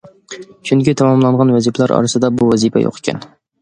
چۈنكى تاماملانغان ۋەزىپىلەر ئارىسىدا بۇ ۋەزىپە يوق ئىكەن.